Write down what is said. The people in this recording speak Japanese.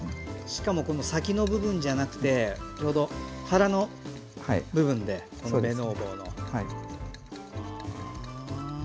しかも先の部分じゃなくてちょうど腹の部分で、めのう棒の。